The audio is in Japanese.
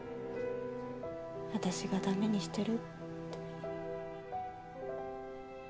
私がダメにしてるって。